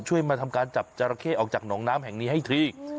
มาทำการจับจราเข้ออกจากหนองน้ำแห่งนี้ให้ที